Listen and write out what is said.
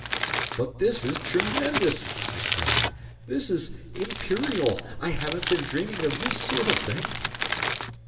"But this is tremendous!" I cried. "This is Imperial! I haven't been dreaming of this sort of thing."